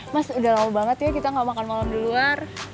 mas udah lama banget ya kita gak makan malam di luar